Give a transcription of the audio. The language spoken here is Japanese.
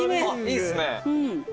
いいっすね。